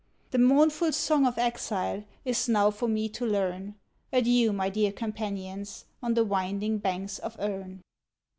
The mournful song of exile is now for me to learn Adieu, my dear companions on the winding banks of Erne!